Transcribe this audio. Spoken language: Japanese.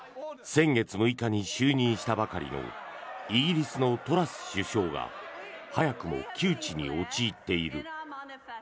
先月６日に就任したばかりのイギリスのトラス首相が早くも窮地に陥っている。